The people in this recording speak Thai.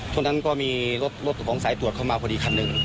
ช่วงนั้นก็มีรถของสายตรวจเข้ามาพอดีคันหนึ่ง